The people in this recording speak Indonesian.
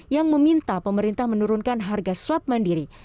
yang meminta pemerintah menurunkan harga swab mandiri